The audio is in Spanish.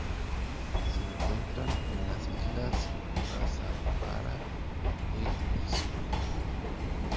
Se encuentran en las Islas Ogasawara e Izu.